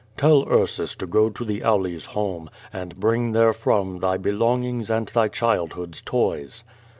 *^Tell Ursus to go to the Auli^s home, and bring therefroiii thy belongings and thy childhood^s toys."